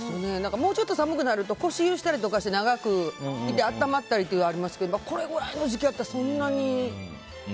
もうちょっと寒くなると腰湯したりとかして長くいて、あったまったりとかありますけどこれぐらいの時期やったらそんなに。